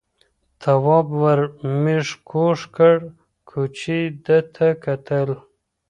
تواب ور مېږ کوږ کړ، کوچي ده ته کتل.